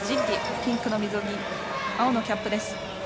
ピンクの水着に青のキャップです。